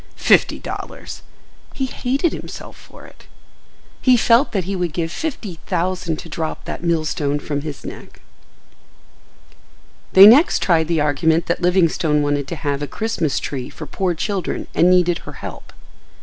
—Fifty dollars! He hated himself for it. He felt that he would give fifty thousand to drop that millstone from his neck. They next tried the argument that Livingstone wanted to have a Christmas tree for poor children and needed her help.